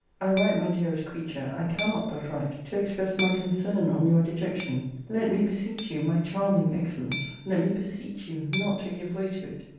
I write, my dearest creature, I cannot but write, to express my concern on your dejection. Let me beseech you, my charming excellence, let me beseech you, not to give way to it.